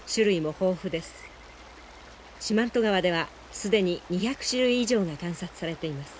四万十川では既に２００種類以上が観察されています。